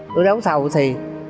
tôi đấu thầu thì